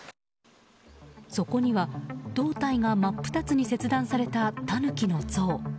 そこには、胴体が真っ二つに切断されたタヌキの像。